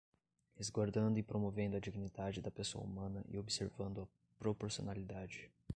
resguardando e promovendo a dignidade da pessoa humana e observando a proporcionalidade